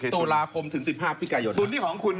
๑๗ตุลาคมถึง๑๕วิกายท์